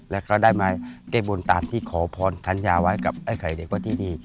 แล้วก็ได้มาใดบลตามที่ขอพอทรรยายไว้กับไอไข่เด็กวัดเย็นดี